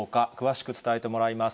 詳しく伝えてもらいます。